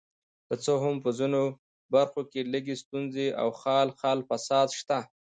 که څه هم په ځینو برخو کې لږې ستونزې او خال خال فساد شته.